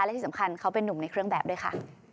และที่สำคัญเขาเป็นนุ่มในเครื่องแบบด้วยค่ะ